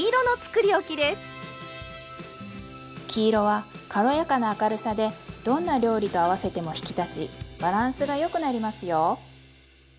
黄色は軽やかな明るさでどんな料理と合わせても引き立ちバランスがよくなりますよ。